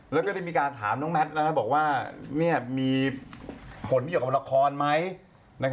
แล้วมีการถามว่ามีผลเกี่ยวกับละครไหม